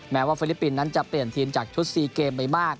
ว่าฟิลิปปินส์นั้นจะเปลี่ยนทีมจากชุด๔เกมไปมาก